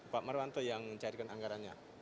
pak marwanto yang mencairkan anggarannya